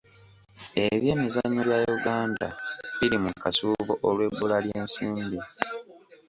Ebyemizannyo bya Uganda biri mu kasuubo olw'ebbula ly'ensimbi.